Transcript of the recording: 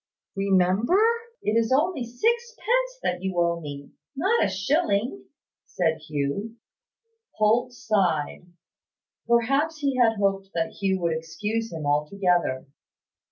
"Remember, it is only sixpence that you owe me not a shilling," said Hugh. Holt sighed. Perhaps he had hoped that Hugh would excuse him altogether.